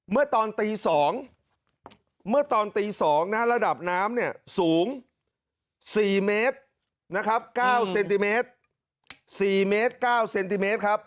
เมื่อตอนตี๒ระดับน้ำสูง๔เมตร๙เซนติเมตร